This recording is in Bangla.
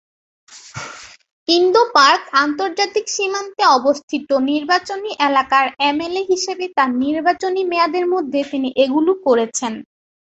ইন্দো-পাক আন্তর্জাতিক সীমান্তে অবস্থিত নির্বাচনী এলাকার এমএলএ হিসাবে তার নির্বাচনী মেয়াদের মধ্যে তিনি এগুলি করেছেন।